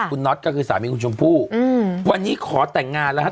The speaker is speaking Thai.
คุณน็อตก็คือสามีคุณชมพู่อืมวันนี้ขอแต่งงานแล้วฮะ